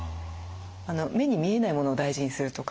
目に見えないモノを大事にするとか。